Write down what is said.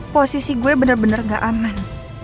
posisi gue bener bener nggak aman